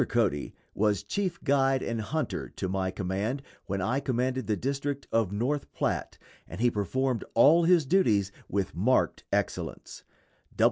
Cody was chief guide and hunter to my command when I commanded the district of North Platte, and he performed all his duties with marked excellence.